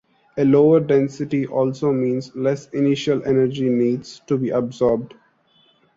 A lower density also means less initial energy needs to be absorbed.